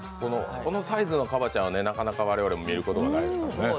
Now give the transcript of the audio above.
このサイズのカバちゃんはなかなか我々も見ることがないですね。